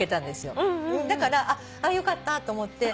だからよかったと思って。